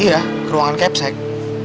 iya ke ruangan kek seks